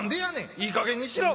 いいかげんにしろ。